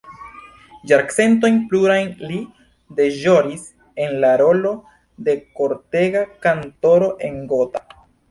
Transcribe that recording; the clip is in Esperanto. Jarcentojn plurajn li deĵoris en la rolo de kortega kantoro en Gotha.